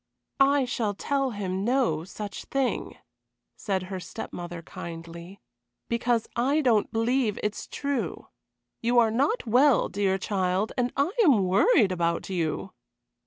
"I shall tell him no such thing," said her step mother, kindly, "because I don't believe it is true. You are not well, dear child, and I am worried about you."